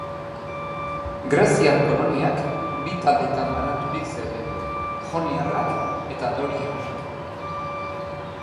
Greziar koloniak bi taldetan banaturik zeuden, Joniarrak eta Doriarrak.